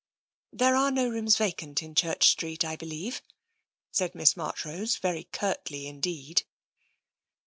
" There are no rooms vacant in Church Street, I believe," said Miss Marchrose, very curtly indeed.